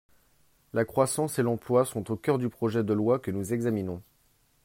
La croissance et l’emploi sont au cœur du projet de loi que nous examinons.